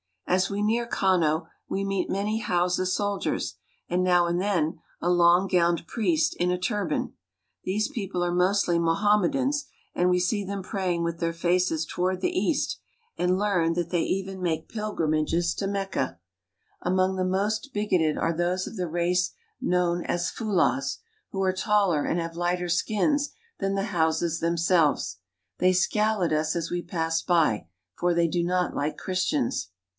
As we near Kano we meet many Hausa soldiers and, now and then, a long gowned priest in a turban. These people are mostly Mohammedans, and we see them pray ing with their faces toward the east, and learn that they IN THE LAND OF THE HAUSAS 177 even make pilgrimages to Mecca. Among the most big oted are those of the race known as Fulahs, who are taller and have lighter skins than the Hausas themselves. They scowl at us as we pass by, for they do not like Christians.